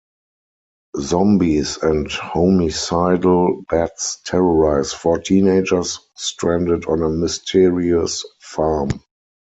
Zombies and homicidal bats terrorize four teenagers stranded on a mysterious farm.